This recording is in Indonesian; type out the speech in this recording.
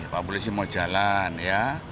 pak polisi mau jalan ya